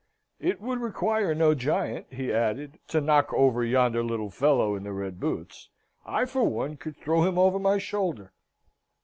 "It would require no giant," he added, "to knock over yonder little fellow in the red boots. I, for one, could throw him over my shoulder."